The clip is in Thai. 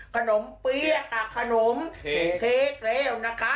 ขนมเปรี้ยกขนมเทกเล่วนะคะ